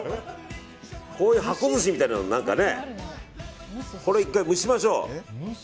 こういう箱寿司みたいなのこれ１回、蒸しましょう。